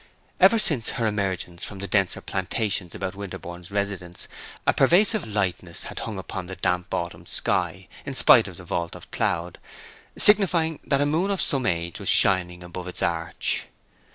Ever since her emergence from the denser plantations about Winterborne's residence a pervasive lightness had hung in the damp autumn sky, in spite of the vault of cloud, signifying that a moon of some age was shining above its arch.